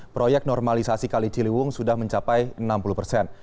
proyek normalisasi kali ciliwung sudah mencapai enam puluh persen